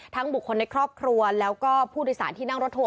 บุคคลในครอบครัวแล้วก็ผู้โดยสารที่นั่งรถทัว